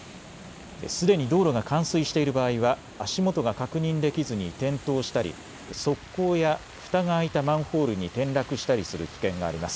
すでに道路が冠水している場合は足元が確認できずに転倒したり側溝やふたが開いたマンホールに転落したりする危険があります。